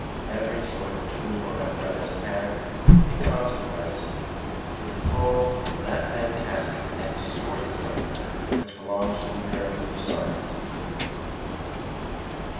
Every sort of tool or apparatus had, in consequence, to the full, that fantastic and distorted look which belongs to the miracles of science.